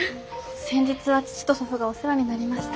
先日は父と祖父がお世話になりました。